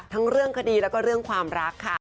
ทั้งเรื่องคดีแล้วก็เรื่องความรักค่ะ